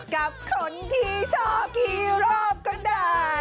กับคนที่ชอบฮีโร่ก็ได้